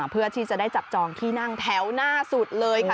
เพื่อที่จะได้จับจองที่นั่งแถวหน้าสุดเลยค่ะ